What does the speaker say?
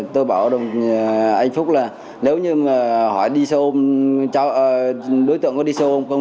tôi bảo với anh phúc là nếu như hỏi đối tượng có đi xe ôm không